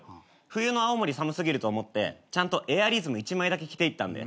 冬の青森寒すぎると思ってちゃんとエアリズム１枚だけ着ていったんで。